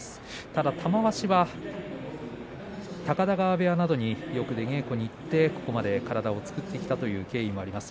ただ玉鷲は高田川部屋などによく出稽古に行ってここまで体を作ってきたという経緯もあります。